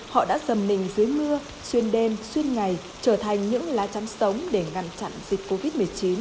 họ đã dầm mình dưới mưa xuyên đêm xuyên ngày trở thành những lá chắn sống để ngăn chặn dịch covid một mươi chín